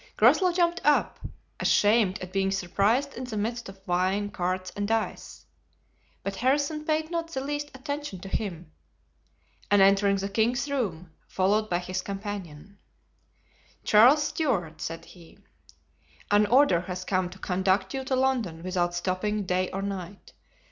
Groslow jumped up, ashamed at being surprised in the midst of wine, cards, and dice. But Harrison paid not the least attention to him, and entering the king's room, followed by his companion: "Charles Stuart," said he, "an order has come to conduct you to London without stopping day or night.